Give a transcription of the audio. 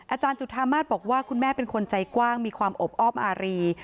อาจารย์จุธามาศบอกว่าคุณแม่เป็นคนใจกว้างมีความอบอ้อมอารี